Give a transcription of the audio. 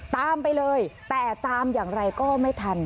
ตามไปเลยแต่ตามอย่างไรก็ไม่ทัน